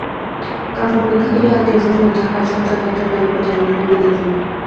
কারণ, পরীক্ষা দিলেই আত্মীয়স্বজনের ধাক্কায় সংসারযাত্রার ঢালু পথে আমাকে গড়িয়ে নিয়ে চলবে।